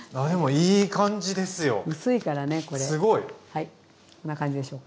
はいこんな感じでしょうか。